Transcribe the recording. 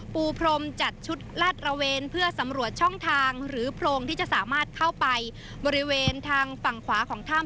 ปูพรมจัดชุดลาดระเวนเพื่อสำรวจช่องทางหรือโพรงที่จะสามารถเข้าไปบริเวณทางฝั่งขวาของถ้ำ